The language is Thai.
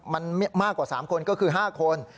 มันมากกว่า๓คนก็คือ๕คน